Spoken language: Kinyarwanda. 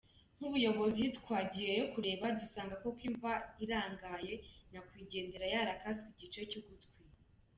Nk’ubuyobozi twagiyeyo kureba dusanga koko imva irarangaye, nyakwigendera yarakaswe igice cy’ugutwi.